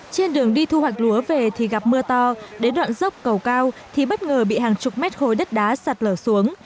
trên đường đi thu hoạch lúa về thì gặp mưa to đến đoạn dốc cầu cao thì bất ngờ bị hàng chục mét khối đất đá sạt lở xuống